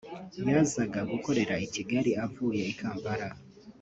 yazaga gukorera i Kigali avuye i Kampala